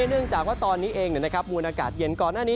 เนื่องจากว่าตอนนี้เองมูลอากาศเย็นก่อนหน้านี้